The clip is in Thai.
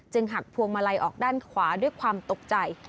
หักพวงมาลัยออกด้านขวาด้วยความตกใจ